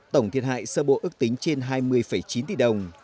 tổng thiệt hại sơ bộ ước tính trên hai mươi chín tỷ đồng